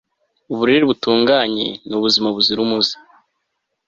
uburere butunganye n'ubuzima buzira umuze